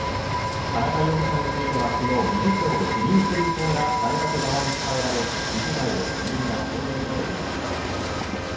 田中容疑者については昨日、理事長を辞任する意向が大学側に伝えられ、理事会で辞任が承認されています。